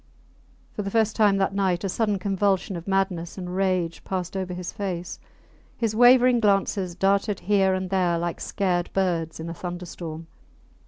... For the first time that night a sudden convulsion of madness and rage passed over his face. His wavering glances darted here and there like scared birds in a thunderstorm.